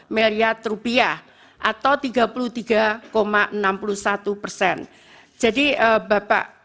jadi bapak ini adalah perangkat yang sangat penting